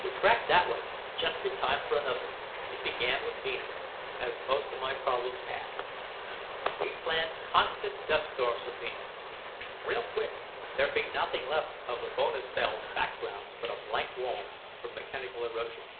We cracked that one, just in time for another. It began with Venus, as most of my problems had. We planned constant dust storms for Venus. Real quick, there'd be nothing left of the Bonestell's backgrounds but a blank wall, from mechanical erosion.